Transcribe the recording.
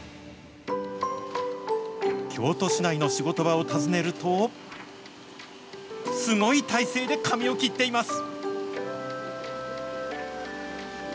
京都市内の仕事場を尋ねると、すごい体勢で髪を切っています。